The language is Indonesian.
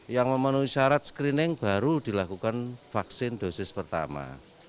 yang memenuhi syarat screening baru dilakukan vaksin dosis pertama